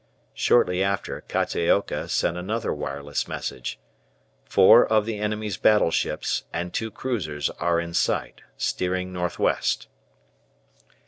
Shortly after Kataoka sent another wireless message "Four of the enemy's battleships and two cruisers are in sight, steering north west."